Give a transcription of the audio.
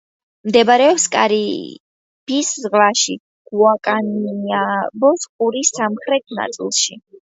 მდებარეობს კარიბის ზღვაში, გუაკანაიაბოს ყურის სამხრეთ ნაწილში.